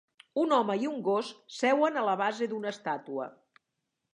Un home i un gos seuen a la base d'una estàtua.